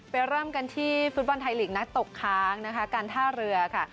เริ่มกันที่ฟุตบอลไทยลีกนัดตกค้างนะคะการท่าเรือค่ะ